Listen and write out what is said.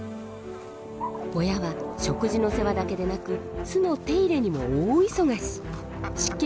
親は食事の世話だけでなく巣の手入れにも大忙し。